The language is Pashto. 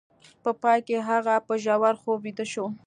په پای کې هغه په ژور خوب ویده شو